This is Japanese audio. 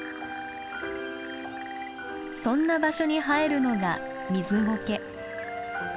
そんな場所に生えるのがミズゴケ。